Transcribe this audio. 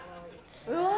うわ。